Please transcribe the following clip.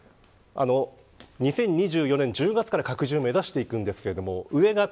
２０２４年１０月から拡充を目指していきます。